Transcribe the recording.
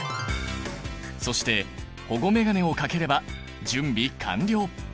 そして保護メガネをかければ準備完了。